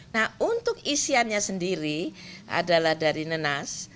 nah untuk isiannya sendiri adalah dari nenas